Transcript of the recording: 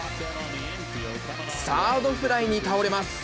サードフライに倒れます。